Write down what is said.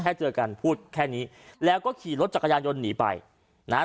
เจอกันพูดแค่นี้แล้วก็ขี่รถจักรยานยนต์หนีไปนะฮะ